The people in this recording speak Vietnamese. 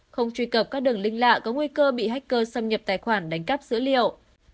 không truy cập các đường linh lạ có nguy cơ bị hacker xâm nhập tài khoản đánh cắp dữ liệu